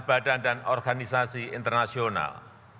dan badan dan organisasi internasional